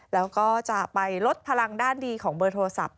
แล้วก็จะไปลดพลังด้านดีของเบอร์โทรศัพท์